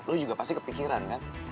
lu juga pasti kepikiran kan